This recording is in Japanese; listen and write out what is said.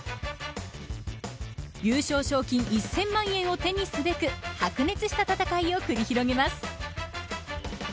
優勝賞金１０００万円を手にすべく白熱した戦いを繰り広げます。